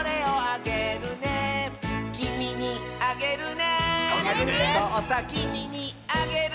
「そうさきみにあげるね」